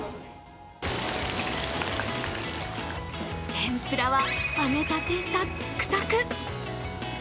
天ぷらは揚げたて、サックサク。